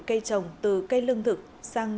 cây trồng từ cây lương thực sang